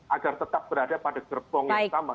agar tetap berada pada gerbong yang sama